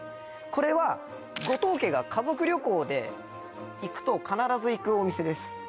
これは五島家が家族旅行で行くと必ず行くお店です